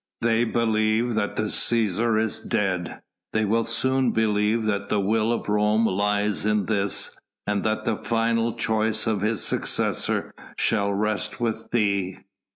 They believe that the Cæsar is dead; they will soon believe that the will of Rome lies in this, that the final choice of his successor shall rest with thee."